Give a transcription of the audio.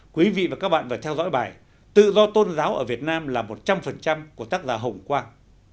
quý vị và các bạn vừa theo dõi bài tự do tôn giáo ở việt nam là một trăm linh của tác giả hồng quang